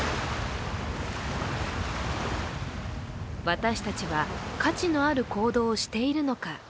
私たちは価値のある行動をしているのか。